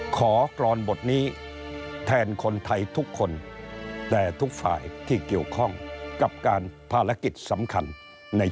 กรอนบทนี้แทนคนไทยทุกคนแต่ทุกฝ่ายที่เกี่ยวข้องกับการภารกิจสำคัญใน